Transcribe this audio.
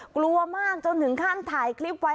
กลัวมากจนถึงขั้นถ่ายคลิปไว้